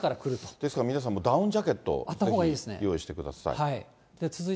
ですから皆さんもダウンジャケットをぜひ用意してください。